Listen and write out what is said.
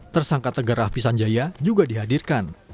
tersangka tegara fisanjaya juga dihadirkan